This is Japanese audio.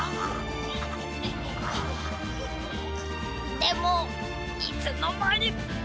でもいつのまに。